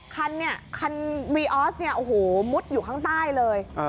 คันเนี่ยคันวีออสเนี่ยโอ้โหมุดอยู่ข้างใต้เลย